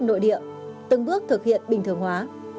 nội địa từng bước thực hiện bình thường hóa